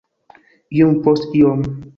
iom post iom